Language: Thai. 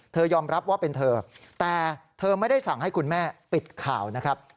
ยอมรับว่าเป็นเธอแต่เธอไม่ได้สั่งให้คุณแม่ปิดข่าวนะครับ